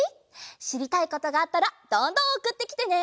しりたいことがあったらどんどんおくってきてね！